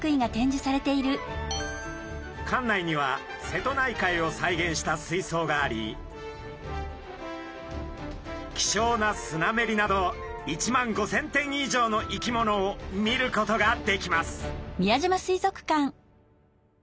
館内には瀬戸内海を再現した水そうがあり希少なスナメリなど１万５，０００点以上の生き物を見ることができます。